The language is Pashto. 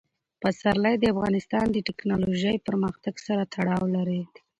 پسرلی د افغانستان د تکنالوژۍ پرمختګ سره تړاو لري.